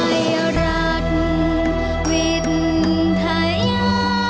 ไทยรักเวทยา